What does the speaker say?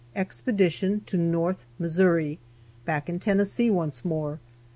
EXPEDITION TO NORTH MISSOURI. BACK IN TENNESSEE ONCE MORE.